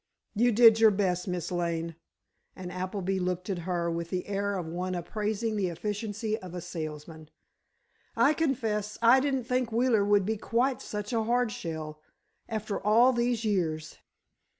"You did your best, Miss Lane," and Appleby looked at her with the air of one appraising the efficiency of a salesman. "I confess I didn't think Wheeler would be quite such a hardshell—after all these years."